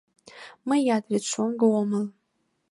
— Мыят вет шоҥго омыл.